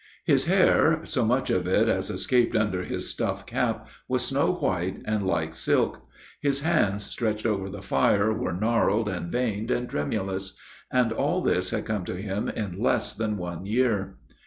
His hair, so much of it as escaped under his stuff cap, was snow white, and like silk. His hands, stretched over the fire, were gnarled and veined and tremulous. And all this had come to him in less than one year.